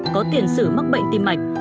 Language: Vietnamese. có tiền xử mắc bệnh tim mạch